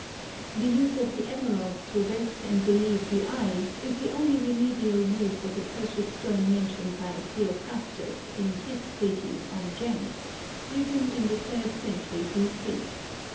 The use of the emerald to rest and relieve the eye is the only remedial use of a precious stone mentioned by Theophrastus in his treatise on gems, written in the third century B.C.